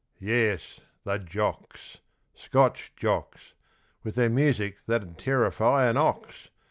Yes, the Jocks Scotch Jocks, With their music that'd terrify an ox!